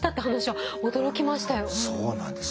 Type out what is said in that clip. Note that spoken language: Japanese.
そうなんです。